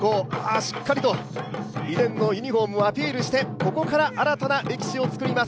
しっかりと以前のユニフォームをアピールしてここから新たな歴史を作ります